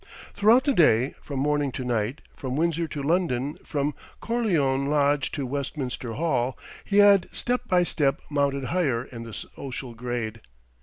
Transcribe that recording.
Throughout the day, from morning to night, from Windsor to London, from Corleone Lodge to Westminster Hall, he had step by step mounted higher in the social grade.